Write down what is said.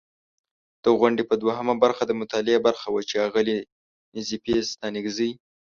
د غونډې په دوهمه برخه، د مطالعې برخه وه چې اغلې نظیفې ستانکزۍ